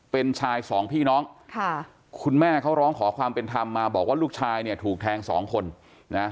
เป็นชายสองพี่น้องค่ะคุณแม่เขาร้องขอความเป็นธรรมมาบอกว่าลูกชายเนี่ยถูกแทงสองคนนะ